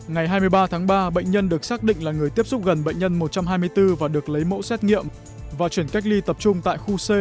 ngày hai mươi ba tháng ba bệnh nhân được xác định là người tiếp xúc gần bệnh nhân một trăm hai mươi bốn và được lấy mẫu xét nghiệm và chuyển cách ly tập trung tại khu c